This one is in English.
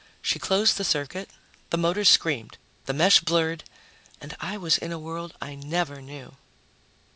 She closed the circuit. The motors screamed. The mesh blurred. And I was in a world I never knew.